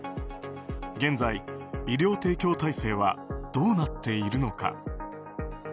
現在、医療提供体制はどうなっているのか。